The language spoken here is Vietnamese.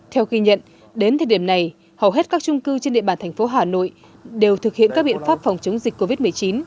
theo ghi nhận đến thời điểm này hầu hết các trung cư trên địa bàn thành phố hà nội đều thực hiện các biện pháp phòng chống dịch covid một mươi chín